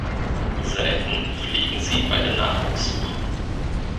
Selten fliegen sie bei der Nahrungssuche.